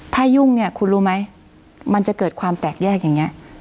ถ้ายุ่งเนี่ยคุณรู้ไหมมันจะเกิดความแตกแยกอย่างนี้